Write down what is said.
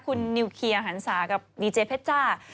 คุณนิวเคลียร์หันศากับดีเจเพชจ้า